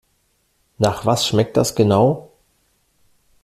Nach was schmeckt das genau?